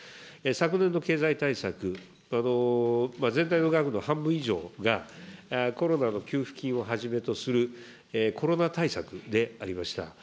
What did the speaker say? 昨年の経済対策、全体の額の半分以上が、コロナの給付金をはじめとするコロナ対策でありました。